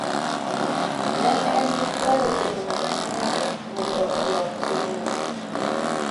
ne en gi kwayo kuom ng'ato ka ng'ato mondo olok timne